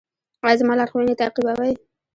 ایا زما لارښوونې تعقیبوئ؟